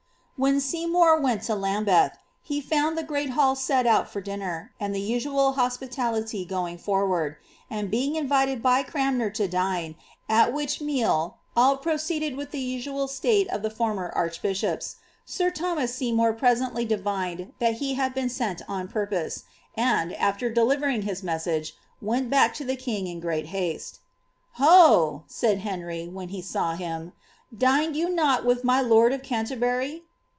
When Seymour went to Lambeth, he found the great hall set out for dinner, and the usual hospitality going forward ; and being invited by Cranmer to dine, at which meal all proceeded with the usual state of the former archbishops, sir Thomas iSeymour presently divined that he had been sent on purpose, and, after delivering his message, went back to the king in great haste. Ho !" said Henry, when he saw him, " dined you not with my lord of Canterbury?"